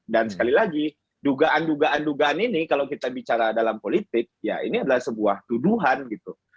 dan sekali lagi dugaan dugaan dugaan ini kalau kita bicara dalam politik ya ini adalah sebuah tuduhan gitu